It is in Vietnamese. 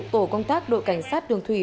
tổ công tác đội cảnh sát đường thủy